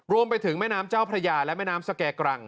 รวมไปถึงแม่น้ำเจ้าพระยาและแม่น้ำสแก่กรัง